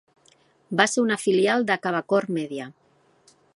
Va ser una filial de Quebecor Media.